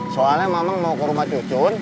soalnya memang mau ke rumah cucun